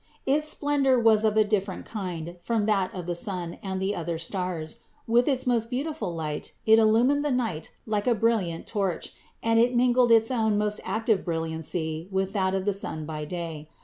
Its splendor was of a different kind from that of the sun and the other stars; with its most beautiful light it illumined the night like a brilliant torch, and it mingled its own most active brilliancy with that of the sun by day.